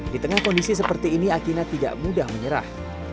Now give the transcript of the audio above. di tengah kondisi seperti ini akina tidak mudah menyerah